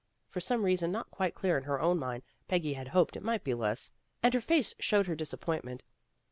For some reason not quite clear in her own mind, Peggy had hoped it might be less, and her face showed her disap pointment.